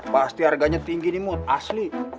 pasti harganya tinggi nih mut asli